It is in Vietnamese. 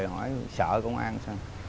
hỏi sợ công an sao